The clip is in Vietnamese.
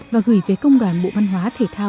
và gửi về công đoàn bộ văn hóa thể thao